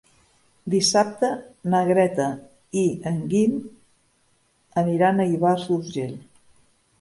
Dissabte na Greta i en Guim aniran a Ivars d'Urgell.